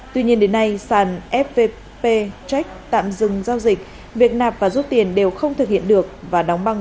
tuy nhiên đến nay sàn fp check tạm dừng giao dịch việc nạp và rút tiền đều không thực hiện được và đóng băng